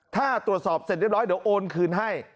ถ้าตรวจสอบเสร็จเรียบร้อยเดี๋ยวโอนคืนให้